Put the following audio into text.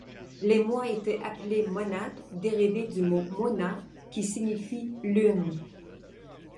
Les mois étaient appelés Monath dérivée du mot Mona qui signifie Lune.